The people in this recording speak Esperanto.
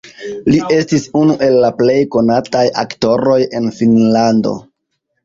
Li estis unu el la plej konataj aŭtoroj en Finnlando.